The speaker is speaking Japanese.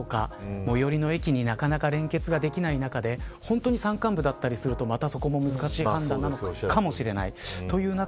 最寄の駅になかなか連結ができない中で本当に山間部だったりするとまた、そこも難しい判断なのかもしれない。